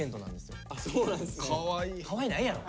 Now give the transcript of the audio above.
かわいないやろ！